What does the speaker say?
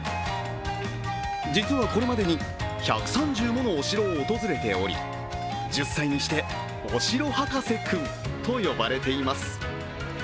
実はこれまでに１３０ものお城を訪れており、１０歳にしてお城博士くんと呼ばれています。